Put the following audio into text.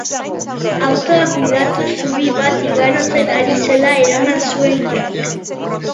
Autoa gidatuz zubi bat igarotzen ari zela eraman zuen urak.